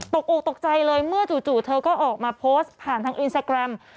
อกตกใจเลยเมื่อจู่เธอก็ออกมาโพสต์ผ่านทางอินสตาแกรม